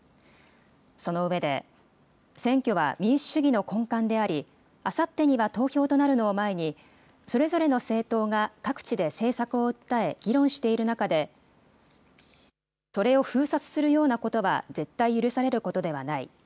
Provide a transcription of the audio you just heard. その上で、選挙は民主主義の根幹であり、あさってには投票となるのを前に、それぞれの政党が各地で政策を訴え議論している中で、それを封殺するようなことは絶対許されることではない。